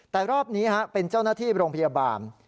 แต่รอบนี้เป็นเจ้าหน้าที่โรงพยาบาล